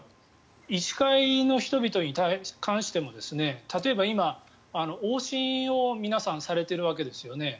医師会の人々に関しても例えば今、往診を皆さんされているわけですよね。